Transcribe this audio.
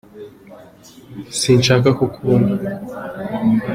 Nsinshaka kuku bona